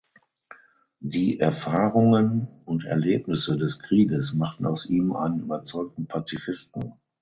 Die Erfahrungen und Erlebnisse des Krieges machten aus ihm einen überzeugten Pazifisten.